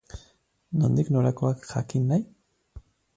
Nondik norakoak jakin nahi?